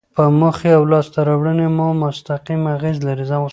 په موخې او لاسته راوړنې مو مستقیم اغیز لري.